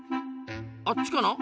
あっちかな？